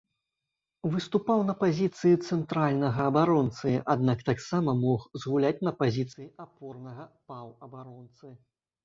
Выступаў на пазіцыі цэнтральнага абаронцы, аднак, таксама, мог згуляць на пазіцыі апорнага паўабаронцы.